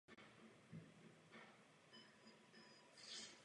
Musíme prostě jít a ty lidi zachránit.